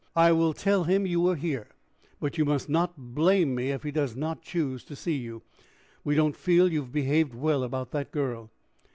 "I will tell him you are here; but you must not blame me if he does not choose to see you. We don't feel you have behaved well about that girl."